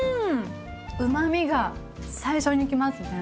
うまみが最初にきますね。